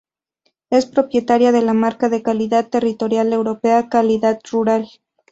Es propietaria de la Marca de Calidad Territorial Europea "Calidad Rural".